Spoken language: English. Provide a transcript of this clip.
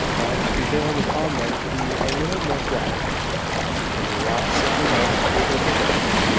Bond prevailed upon them to be a little more quiet; and the loss of the lamp was overlooked.